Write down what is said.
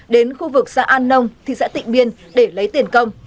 đến khu vực xã an nông thị xã tịnh biên để lấy tiền công